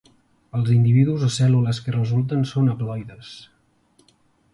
Els individus o cèl·lules que resulten són haploides.